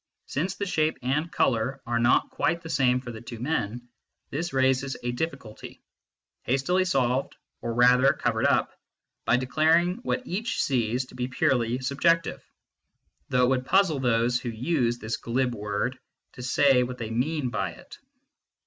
Since the shape and colour are not quite the same for the two men, this raises a difficulty, hastily solved, or rather covered up, by declaring what each sees to be purely " sub jective " though it would puzzle those who use this glib word to say what they mean by it.